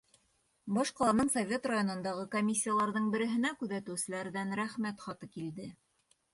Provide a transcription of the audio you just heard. Баш ҡаланың Совет районындағы комиссияларҙың береһенә күҙәтеүселәрҙән рәхмәт хаты килде.